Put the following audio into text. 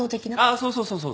あっそうそうそうそう。